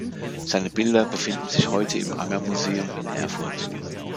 Seine Bilder befinden sich heute im Angermuseum in Erfurt.